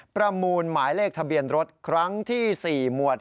ประมูลหมายเลขทะเบียนรถครั้งที่๔หมวด